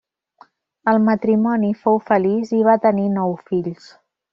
El matrimoni fou feliç i va tenir nou fills.